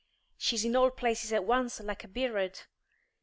She's in all places at once, like a birrud!